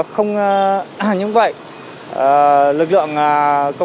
không như vậy lực lượng công an còn